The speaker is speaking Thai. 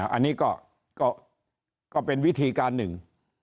อันนี้ก็เป็นวิธีการหนึ่ง